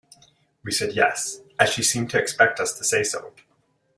We said yes, as she seemed to expect us to say so.